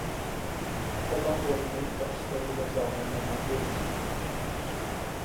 Oba pojmy tak stojí ve vzájemném napětí.